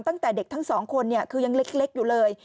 ตั้งแต่เด็กทั้งสองคนคือยังเล็กอยู่เลย